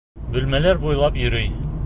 Бүлмәләр буйлап йөрөй.